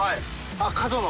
あっ角の。